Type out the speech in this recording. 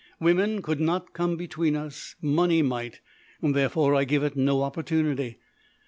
Women could not come between us; money might therefore I give it no opportunity.